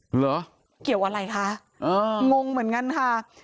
เหรอเกี่ยวอะไรคะงงเหมือนกันค่ะ